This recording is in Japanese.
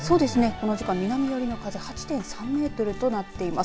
この時間、南よりの風８．３メートルとなっています。